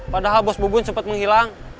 padahal bos bubun sempat menghilang